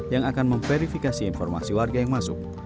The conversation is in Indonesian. yang akan memverifikasi informasi warga yang masuk